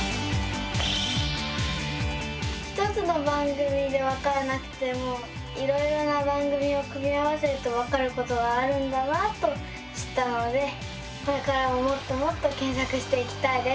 １つの番組でわからなくてもいろいろな番組を組み合わせるとわかることがあるんだなと知ったのでこれからももっともっと検索していきたいです。